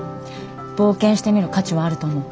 冒険してみる価値はあると思う。